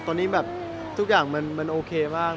ตอนนี้แบบทุกอย่างมันโอเคมาก